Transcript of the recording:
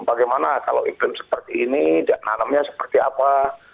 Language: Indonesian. bagaimana kalau iklim seperti ini nanamnya seperti apa